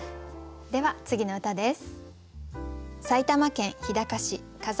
では次の歌です。